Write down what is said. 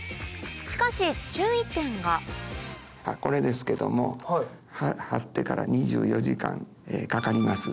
しかし注意点がこれですけども貼ってから２４時間かかります。